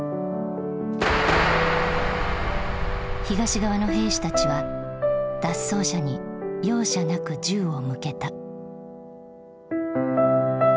東側の兵士たちは脱走者に容赦なく銃を向けた。